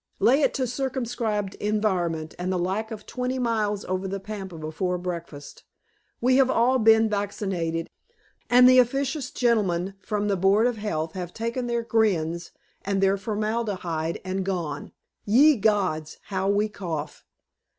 Lay it to circumscribed environment, and the lack of twenty miles over the pampa before breakfast. We have all been vaccinated, and the officious gentlemen from the board of health have taken their grins and their formaldehyde and gone. Ye gods, how we cough!